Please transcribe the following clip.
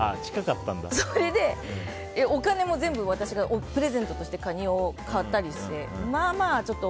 それで、お金も全部私がプレゼントとしてカニを買ったりして。